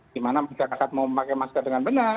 gimana masyarakat mau pakai masker dengan benar